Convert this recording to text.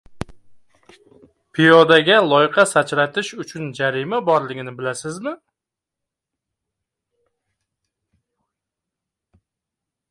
Piyodaga loyqa sachratish uchun jarima borligini bilasizmi?